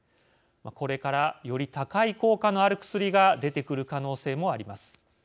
これから、より高い効果のある薬が出てくる可能性もあります。